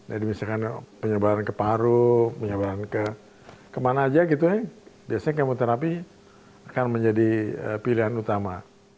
jadi misalkan penyebaran ke paru penyebaran kemana aja gitu ya biasanya kemoterapi akan menjadi pilihan utama